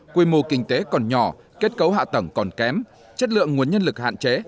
quy mô kinh tế còn nhỏ kết cấu hạ tầng còn kém chất lượng nguồn nhân lực hạn chế